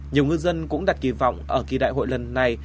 nhiều ngư dân cũng đặt kỳ vọng ở kỳ đại hội lần này